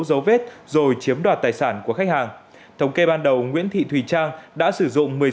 dấu vết rồi chiếm đoạt tài sản của khách hàng thống kê ban đầu nguyễn thị thùy trang đã sử dụng